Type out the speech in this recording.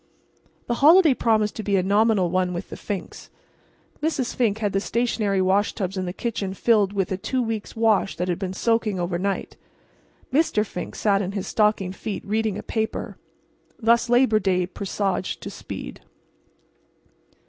The holiday promised to be a nominal one with the Finks. Mrs. Fink had the stationary washtubs in the kitchen filled with a two weeks' wash that had been soaking overnight. Mr. Fink sat in his stockinged feet reading a newspaper. Thus Labor Day presaged to speed.